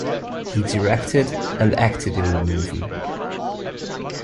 He directed and acted in the movie.